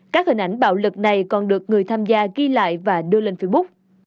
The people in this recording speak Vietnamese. các hình ảnh bạo lực này còn được người tham gia ghi lại và đưa lên facebook